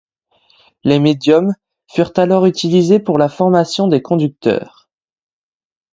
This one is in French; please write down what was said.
Les Médiums furent alors utilisés pour la formation des conducteurs.